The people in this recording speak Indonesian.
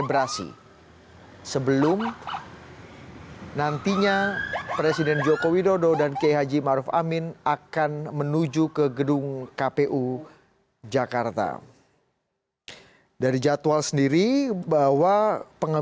berita terkini mengenai cuaca ekstrem dua ribu dua puluh satu